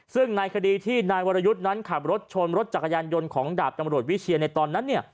ซึ่งในคดีที่นายวรยุทธ์นั้นขับรถชนรถจักรยานยนต์ของดาบตำรวจวิเชียในตอนนั้น